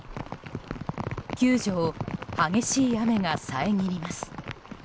救助を激しい雨が遮ります。